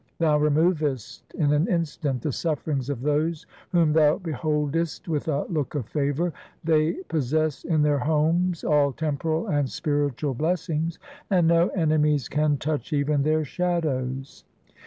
Thou removest in an instant the sufferings of those Whom Thou beholdest with a look of favour. They possess in their homes all temporal and spiritual blessings, 1 And no enemies can touch even their shadows.